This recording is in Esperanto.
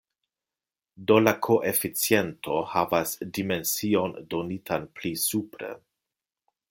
Do la koeficiento havas dimension donitan pli supre.